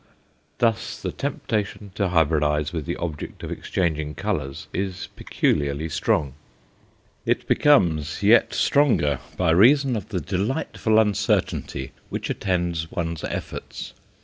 Thus the temptation to hybridize with the object of exchanging colours is peculiarly strong. It becomes yet stronger by reason of the delightful uncertainty which attends one's efforts.